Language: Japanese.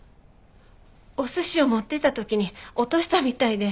お寿司を持っていった時に落としたみたいで。